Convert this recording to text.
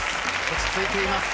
落ち着いています。